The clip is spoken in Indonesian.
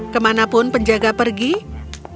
kemanapun penjaga perintah